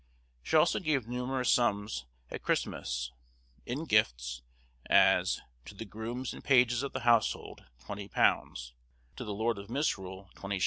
She also gave numerous sums at Christmas, in gifts; as, to the grooms and pages of the household £20; to the lord of Misrule 20_s.